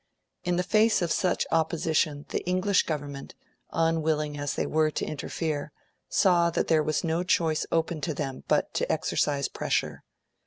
In the face of such opposition, the English Government, unwilling as they were to interfere, saw that there was no choice open to them but to exercise pressure.